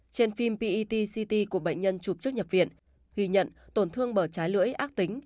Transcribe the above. trên phim pat ct của bệnh nhân chụp trước nhập viện ghi nhận tổn thương bởi trái lưỡi ác tính